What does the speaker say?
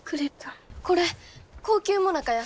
これ高級もなかや。